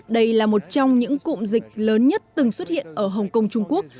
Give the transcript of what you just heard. đây là một trong những cụm dịch lớn nhất từng xuất hiện ở hồng kông trung quốc